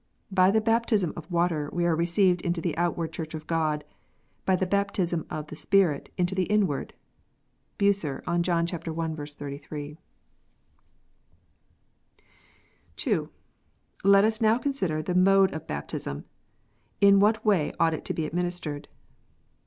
"By the baptism of water AVC are received into the outward Church of God : by the baptism of the Spirit into the inward." (JBucer, on John i. 33.) II. Let us now consider the mode of Baptism. In ichat way ought it to be administered